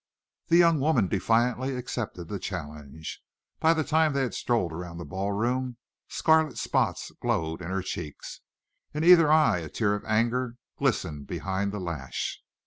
The young woman defiantly accepted the challenge. By the time that they had strolled around the ballroom scarlet spots glowed in her cheeks. In either eye a tear of anger glistened behind the lash.